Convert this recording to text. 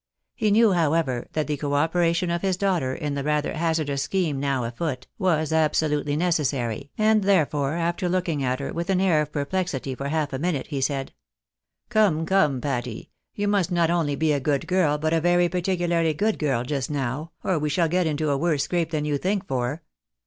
He knew, however, that the co operation of his daughter, in the rather hazardous scheme now afoot, was absolutely necessary, and therefore, after looking at her with an air of perplexity for half a minute, he said —" Come, come, Patty, you must not only be a good girl, but a very particularly good girl just now, or we shall get into a worse scrape than you think for.